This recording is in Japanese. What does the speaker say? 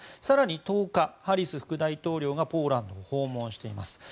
更に１０日、ハリス副大統領がポーランドに訪問しています。